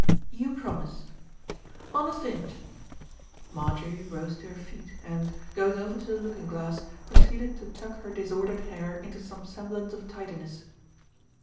"You promise." "Honest Inj." Marjorie rose to her feet and, going over to the looking glass, proceeded to tuck her disordered hair into some semblance of tidiness.